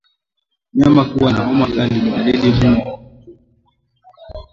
Mnyama kuwa na homa kali ni dalili muhimu ya ugonjwa wa mkojo damu